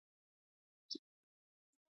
نن راسه چي بانډار وکو.